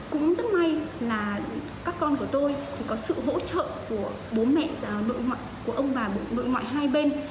cũng rất may là các con của tôi thì có sự hỗ trợ của bố mẹ nội ngoại của ông và nội ngoại hai bên